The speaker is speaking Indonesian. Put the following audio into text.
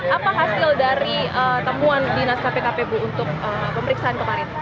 apa hasil dari temuan dinas kpkp bu untuk pemeriksaan kemarin